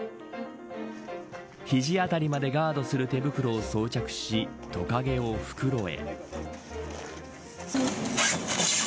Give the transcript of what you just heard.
肘辺りまでガードする手袋を装着しトカゲを袋へ。